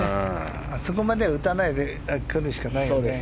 あそこまでは打たないでくるしかないね。